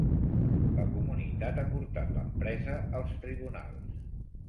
La comunitat ha portat l'empresa als tribunals.